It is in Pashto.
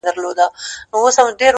زه خو پاچا نه؛ خپلو خلگو پر سر ووهلم;